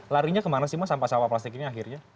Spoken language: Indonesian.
larinya kemana sih mas sampah sampah plastik ini akhirnya